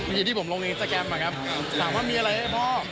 เมื่อที่ผมลงอีกสแกมป์มาครับถามว่ามีอะไรให้พ่อ